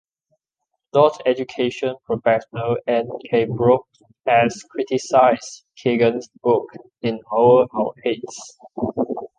Adult education professor Ann K. Brooks has criticized Kegan's book "In Over Our Heads".